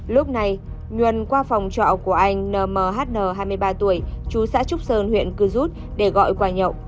lúc này nhuần qua phòng trọ của anh nh mhn hai mươi ba tuổi chú xã trúc sơn huyện cư rút để gọi quà nhậu